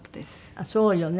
あっそうよね。